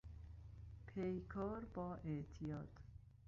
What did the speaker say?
پیکار با اعتیاد